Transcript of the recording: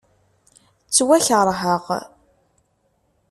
Ttwakeṛheɣ.